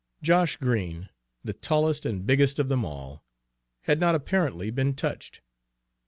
Josh Green, the tallest and biggest of them all, had not apparently been touched.